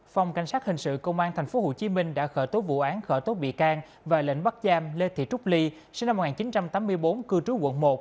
phòng cảnh sát hình sự công an tp hcm đã khởi tố vụ án khởi tố bị can và lệnh bắt giam lê thị trúc ly sinh năm một nghìn chín trăm tám mươi bốn cư trú quận một